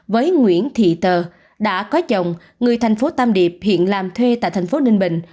với nguyễn thị tờ đã có chồng người thành phố tam điệp hiện làm thuê tại thành phố ninh bình